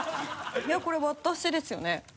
いやこれ私ですよね？